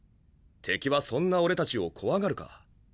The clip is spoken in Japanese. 敵はそんな俺たちを怖がるか？